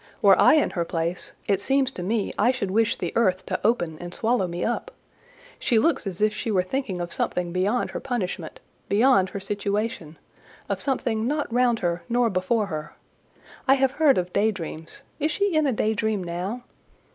"Were I in her place, it seems to me I should wish the earth to open and swallow me up. She looks as if she were thinking of something beyond her punishment—beyond her situation: of something not round her nor before her. I have heard of day dreams—is she in a day dream now?